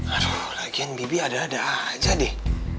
aduh lagian bibi ada ada aja deh